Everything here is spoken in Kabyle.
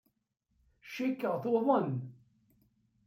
Cikkeɣ tuḍen.